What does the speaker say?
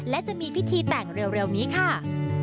และจะมีพิธีแต่งเร็วนี้ค่ะ